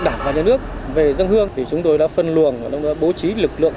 đảng và nhà nước về dân hương chúng tôi đã phân luận bố trí lực lượng